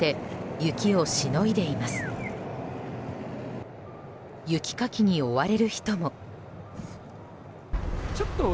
雪かきに追われる人も。